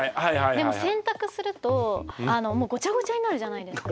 でも洗濯するともうごちゃごちゃになるじゃないですか。